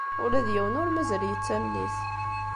Ula d yiwen ur mazal yettamen-it.